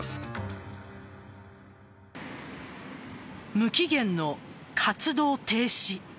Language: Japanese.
無期限の活動停止。